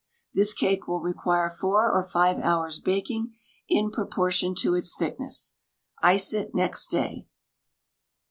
This cake will require four or five hours baking, in proportion to its thickness. Ice it next day.